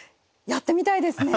やってみたいですね！